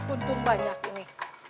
untung banyak ini